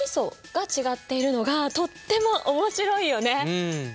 うん。